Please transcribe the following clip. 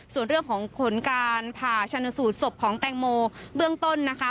ส่วนเรื่องของผลการผ่าชนสูตรศพของแตงโมเบื้องต้นนะคะ